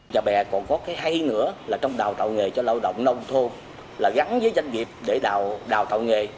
cho bè còn có cái hay nữa là trong đào tạo nghề cho lao động nông thôn là gắn với doanh nghiệp để đào tạo nghề